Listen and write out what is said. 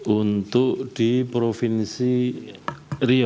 untuk di provinsi riau